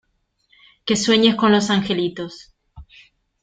Que sueñes con los angelitos.